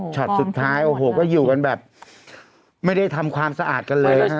สุดท้ายโอ้โหก็อยู่กันแบบไม่ได้ทำความสะอาดกันเลยฮะ